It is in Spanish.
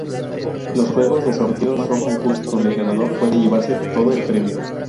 Los juegos de sorteo son concursos donde el ganador puede llevarse todo el premio.